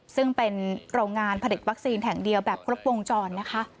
ซึ่งเป็นโรงงานผลิตวัคซีนแห่งเดียวแบบครบวงจรนะคะ